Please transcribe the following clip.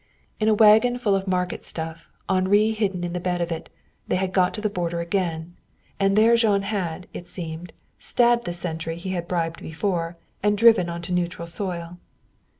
In a wagon full of market stuff, Henri hidden in the bed of it, they had got to the border again. And there Jean had, it seemed, stabbed the sentry he had bribed before and driven on to neutral soil.